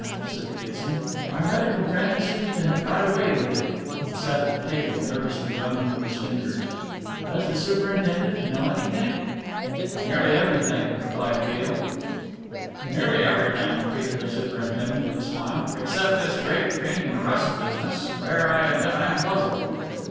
said Kitson, "our medical friend seems to have got away with it." He sat at the table, nervously drumming with his fingers. "Does the superintendent know everything?" "Nearly everything," replied Beale. "Nearly everything," repeated the superintendent with a smile, "except this great Green Rust business. There I admit I am puzzled."